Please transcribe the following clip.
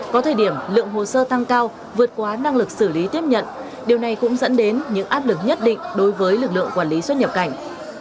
có thời điểm lượng hồ sơ tăng cao vượt quá năng lực xử lý tiếp nhận điều này cũng dẫn đến những áp lực nhất định đối với lực lượng quản lý xuất nhập cảnh